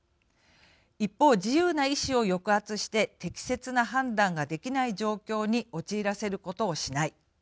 一方、自由な意思を抑圧して適切な判断ができない状況に陥らせることをしない。